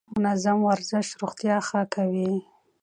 منظم ورزش روغتيا ښه کوي.